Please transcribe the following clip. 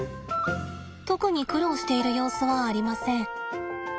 特に苦労している様子はありません。